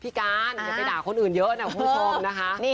การอย่าไปด่าคนอื่นเยอะนะคุณผู้ชมนะคะ